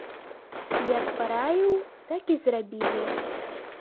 Як параіў, так і зрабілі.